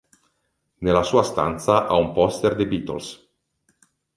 Nella sua stanza ha un poster dei "Beatles".